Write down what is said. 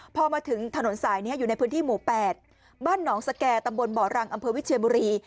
พอมาถึงถนนสายนี้อยู่ในพื้นที่หมู่๘บ้านหนองสแก่ตำบลบ่อรังอำเภอวิเชียบุรี